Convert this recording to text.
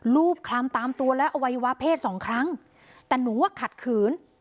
รูปคลำตามตัวและอวัยวะเพศสองครั้งแต่หนูว่าขัดขืน